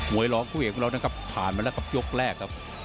วยร้องคู่เอกของเรานะครับผ่านมาแล้วครับยกแรกครับ